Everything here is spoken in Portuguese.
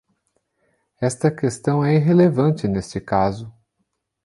Esta questão é irrelevante neste caso.